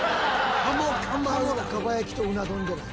鱧のかば焼きとうな丼じゃない？